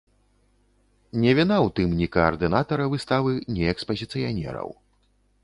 Не віна ў тым ні каардынатара выставы, ні экспазіцыянераў.